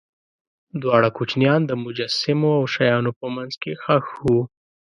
دواړه کوچنیان د مجسمو او شیانو په منځ کې ښخ وو.